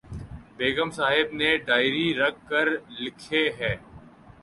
بیگم صاحبہ نے ڈائری رکھ کر لکھے ہیں